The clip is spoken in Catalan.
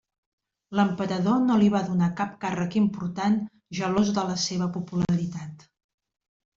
L'emperador no li va donar cap càrrec important, gelós de la seva popularitat.